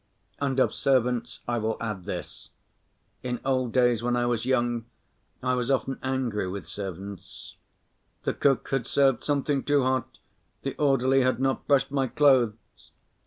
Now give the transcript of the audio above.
And of servants I will add this: In old days when I was young I was often angry with servants; "the cook had served something too hot, the orderly had not brushed my clothes."